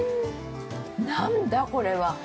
なんだ、これは！？